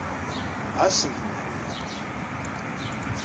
Ɛassemt Mhenni.